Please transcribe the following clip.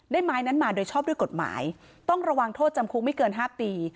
ไม้นั้นมาโดยชอบด้วยกฎหมายต้องระวังโทษจำคุกไม่เกิน๕ปี